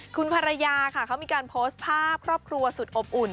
คุณภรรยาค่ะเขามีการโพสต์ภาพครอบครัวสุดอบอุ่น